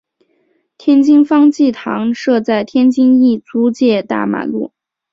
天津方济堂设在天津意租界大马路。